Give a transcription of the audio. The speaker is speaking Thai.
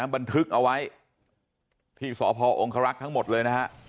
บันทึกเอาไว้ที่สเผาองคารักษ์ทั้งหมดเลย